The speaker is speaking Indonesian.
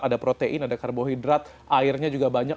ada protein ada karbohidrat airnya juga banyak